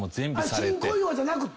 新小岩じゃなくて？